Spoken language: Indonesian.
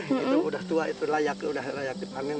itu udah tua itu layak dipanen